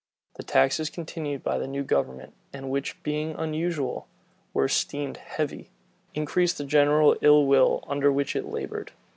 [*] The taxes continued by the new government, and which, being unusual, were esteemed heavy, increased the general ill will under which it labored.